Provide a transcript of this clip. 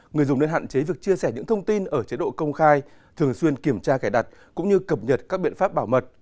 người dùng nên hạn chế việc chia sẻ những thông tin ở chế độ công khai thường xuyên kiểm tra cài đặt cũng như cập nhật các biện pháp bảo mật